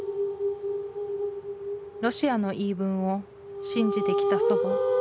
ロシアの言い分を信じてきた祖母。